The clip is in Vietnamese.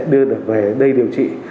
đưa về đây điều trị